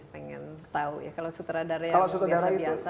pengen tahu ya kalau sutradara yang biasa biasa